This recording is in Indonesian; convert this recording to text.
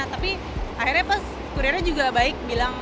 tapi akhirnya pas kuriana juga baik bilang